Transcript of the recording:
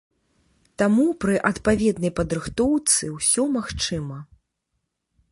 Таму пры адпаведнай падрыхтоўцы ўсё магчыма.